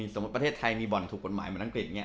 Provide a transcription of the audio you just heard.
สมมุติประเทศไทยมีบอลถูกปฎหมายเหมือนอังกฤษอย่างเงี้ย